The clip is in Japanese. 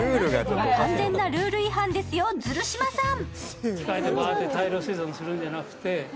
完全なルール違反ですよ、ズル嶋さん！